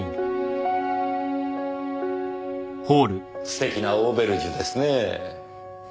素敵なオーベルジュですねえ。